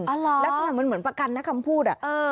อ๋อเหรอแล้วถ้าหากมันเหมือนประกันนะคำพูดอ่ะเออ